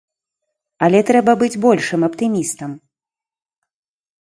Але трэба быць большым аптымістам!